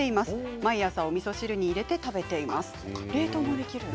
毎朝おみそ汁に入れて食べています。